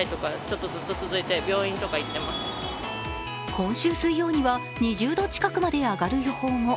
今週水曜には２０度近くまで上がる予報も。